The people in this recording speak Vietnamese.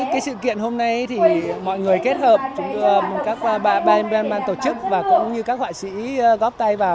cái sự kiện hôm nay thì mọi người kết hợp các bạn ban tổ chức và cũng như các họa sĩ góp tay vào